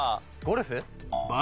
ゴルフ？